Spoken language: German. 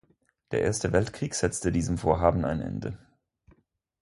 Der Erste Weltkrieg setzte diesem Vorhaben ein Ende.